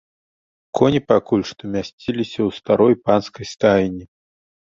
Коні пакуль што мясціліся ў старой панскай стайні.